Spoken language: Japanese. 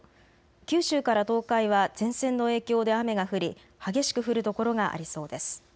九州から東海は前線の影響で雨が降り激しく降る所がありそうです。